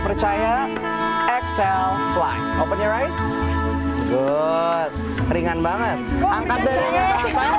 percaya excel flight open your eyes good ringan banget angkat dari belakang